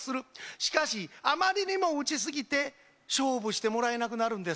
しかし、あまりにも打ちすぎて勝負してもらえなくなるんです。